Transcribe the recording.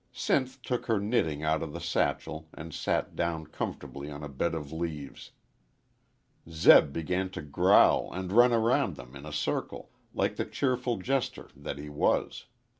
Sinth took her knitting out of the satchel and sat down comfortably on a bed of leaves. Zeb began to growl and run around them in a circle, like the cheerful jester that he was.